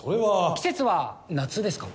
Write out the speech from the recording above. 季節は夏ですか？